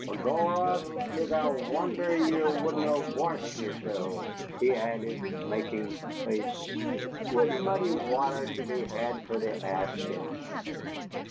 Begorra, 'tis a wondher ye wuddent wash yereselves," he added, making a face, "wid muddy wather to be had for the askin'."